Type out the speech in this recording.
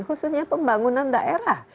khususnya pembangunan daerah